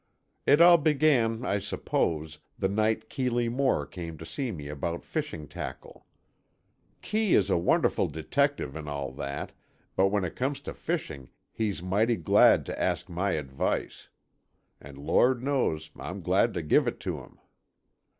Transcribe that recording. It all began, I suppose, the night Keeley Moore came to see me about fishing tackle. Kee is a wonderful detective and all that, but when it comes to fishing he's mighty glad to ask my advice. And Lord knows I'm glad to give it to him.